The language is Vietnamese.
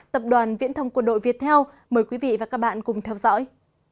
tập đoàn viễn thông quân đội việt theo mời quý vị và các bạn cùng theo dõi